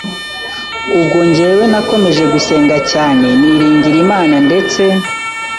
Ubwo njyewe nakomeje gusenga cyane niringira Imana ndetse